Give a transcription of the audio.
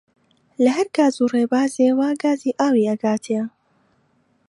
لە هەر گاز و ڕێبازێ وا گازی ئاوی ئەگاتێ